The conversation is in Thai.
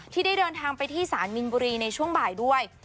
ที่ได้เดินทางไปที่สารมินบุรีในช่วงบ่ายด้วย